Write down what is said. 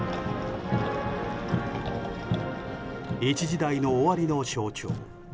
一時代の終わりの象徴。